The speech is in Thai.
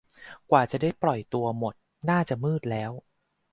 กว่าจะได้ปล่อยตัวหมด น่าจะมืดแล้ว